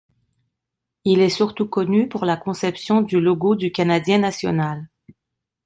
Il est surtout connu pour la conception du logo du Canadien National.